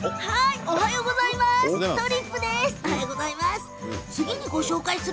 おはようございます。